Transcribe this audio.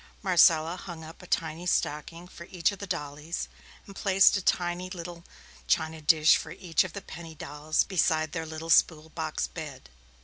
Marcella hung up a tiny stocking for each of the dollies, and placed a tiny little china dish for each of the penny dolls beside their little spool box bed.